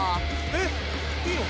えっ？いいの？